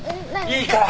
いいから！